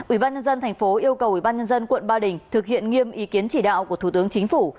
ủy ban nhân dân thành phố yêu cầu ủy ban nhân dân quận ba đình thực hiện nghiêm ý kiến chỉ đạo của thủ tướng chính phủ